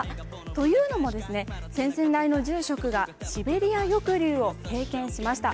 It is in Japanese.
というのもですね、先々代の住職が、シベリア抑留を経験しました。